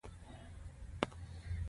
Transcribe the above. کندهار ته په راتګ یې خبر شوی نه وم.